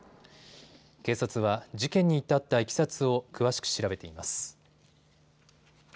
警察は事件に至ったいきさつを詳しく調べています。